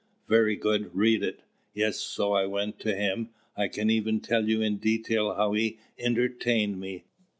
"Very good; read it! Yes, so I went to him I can even tell you in detail how he entertained me.